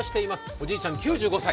おじいちゃんは９５歳。